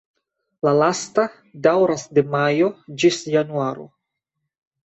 La lasta daŭras de majo ĝis januaro.